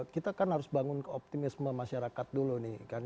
kita kan harus bangun ke optimisme masyarakat dulu nih